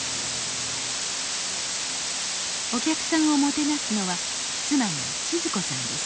お客さんをもてなすのは妻のチズ子さんです